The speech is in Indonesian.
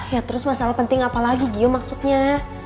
ya terus masalah penting apa lagi gio maksudnya